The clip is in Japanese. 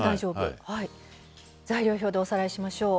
材料表でおさらいしましょう。